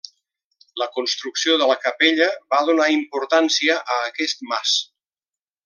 La construcció de la capella va donar importància a aquest mas.